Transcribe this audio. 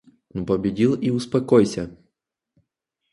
Ну победил и успокойся!